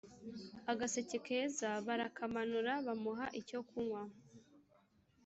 Agaseke keza barakamanura bamuha icyo kunwa